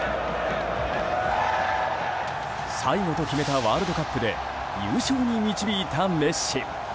最後と決めたワールドカップで優勝に導いたメッシ。